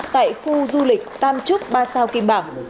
tại khu du lịch tam trúc ba sao kim bảng